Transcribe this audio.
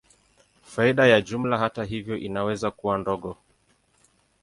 Faida ya jumla, hata hivyo, inaweza kuwa ndogo.